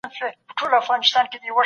زه غوږ نیسم.